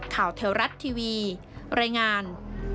แถวรัฐทีวีรายงาน